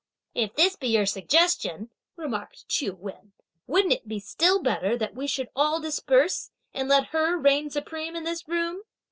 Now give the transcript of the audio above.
"If this be your suggestion," remarked Ch'iu Wen, "wouldn't it be still better that we should all disperse, and let her reign supreme in this room!"